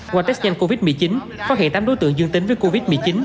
qua test nhanh covid một mươi chín phát hiện tám đối tượng dương tính với covid một mươi chín